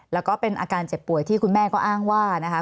แล้วก็เป็นอาการเจ็บป่วยที่คุณแม่ก็อ้างว่านะคะ